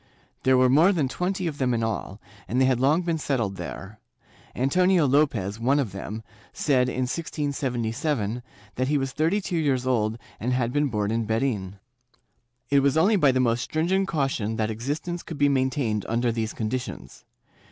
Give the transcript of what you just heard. There were more than twenty of them in all, and they had long been settled there; Antonio Lopez, one of them, said, in 1677, that he was thirty two years old and had been born in Berin.^ It was only by the most stringent caution that existence could be maintained under these conditions.